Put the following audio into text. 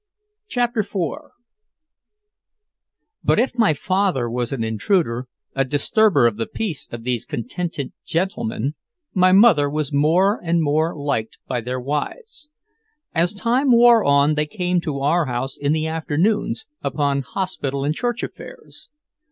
CHAPTER IV But if my father was an intruder, a disturber of the peace of these contented gentlemen, my mother was more and more liked by their wives. As time wore on they came to our house in the afternoons, upon hospital and church affairs.